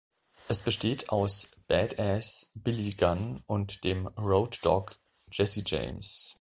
Es besteht aus „Bad Ass“ Billy Gunn und dem „Road Dogg“ Jesse James.